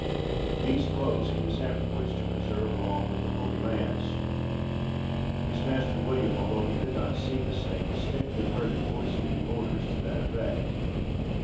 These clothes he was afterwards to preserve along with the holy lance. His master William, although he could not see the saint, distinctly heard the voice giving orders to that effect.